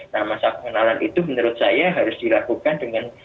nah masa pengenalan itu menurut saya harus dilakukan dengan